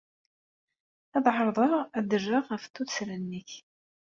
Ad ɛerḍeɣ ad d-rreɣ ɣef tuttra-nnek.